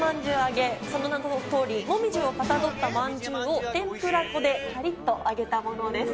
その名の通りもみじをかたどったまんじゅうを天ぷら粉でカリっと揚げたものです。